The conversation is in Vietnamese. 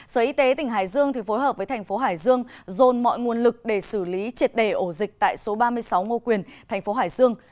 sở y tế tỉnh hải dương phối hợp với thành phố hải dương dồn mọi nguồn lực để xử lý triệt đề ổ dịch tại số ba mươi sáu ngô quyền thành phố hải dương